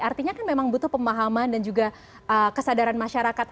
artinya kan memang butuh pemahaman dan juga kesadaran masyarakat